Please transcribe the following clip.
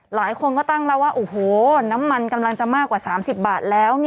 หลายคนก็ตั้งแล้วว่าโอ้โหน้ำมันกำลังจะมากกว่า๓๐บาทแล้ว